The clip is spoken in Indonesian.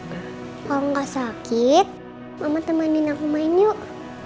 kalau nggak sakit mama temenin aku main yuk